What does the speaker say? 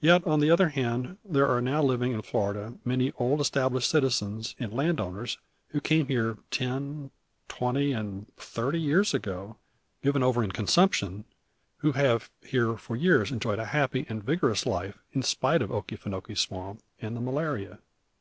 Yet, on the other hand, there are now living in Florida many old established citizens and land owners who came here ten, twenty, and thirty years ago, given over in consumption, who have here for years enjoyed a happy and vigorous life in spite of Okefinokee Swamp and the malaria.